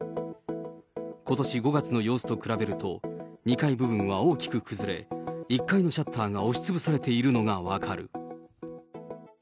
ことし５月の様子と比べると、２階部分は大きく崩れ、１階のシャッターが押しつぶされているのが分かる。